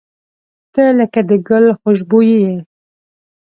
• ته لکه د ګل خوشبويي یې.